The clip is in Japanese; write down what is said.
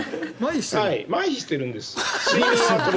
はいまひしてるんです。